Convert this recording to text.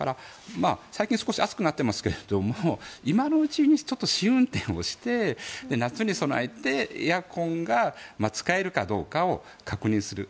最近少し暑くなってますけども今のうちに試運転をして夏に備えてエアコンが使えるかどうかを確認する。